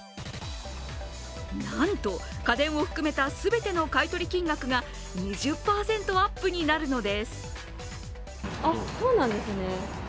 なんと、家電を含めた全ての買い取り金額が２０％アップになるのです。